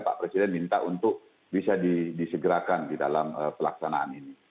pak presiden minta untuk bisa disegerakan di dalam pelaksanaan ini